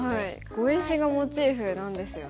碁石がモチーフなんですよね。